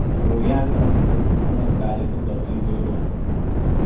Kraujavimo intensyvumas gali būti labai įvairus.